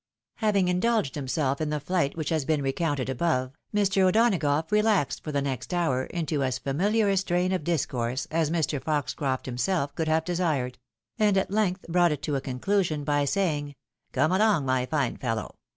Having indulged himself in the flight which has been re counted above, Mr. O'Donagough relaxed for the next hour into as familiar a strain of discourse as Mr. Foxcroft himself could have desired ; and at length brought it to a conclusion, by saying, "Come along, my fine fellow!